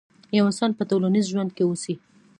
يو انسان په ټولنيز ژوند کې اوسي.